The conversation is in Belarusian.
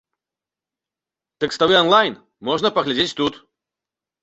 Тэкставы анлайн можна паглядзець тут.